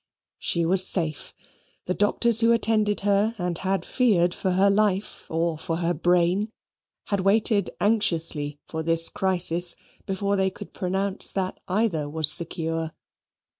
She was safe. The doctors who attended her, and had feared for her life or for her brain, had waited anxiously for this crisis before they could pronounce that either was secure.